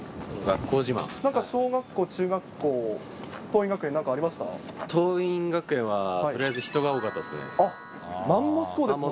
なんか小学校、中学校、桐蔭学園は、とりあえず人がマンモス校ですよね。